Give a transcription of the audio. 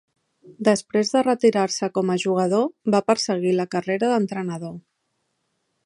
Després de retirar-se com a jugador, va perseguir la carrera d'entrenador.